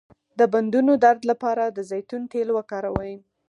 د بندونو درد لپاره د زیتون تېل وکاروئ